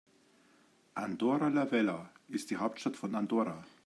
Andorra la Vella ist die Hauptstadt von Andorra.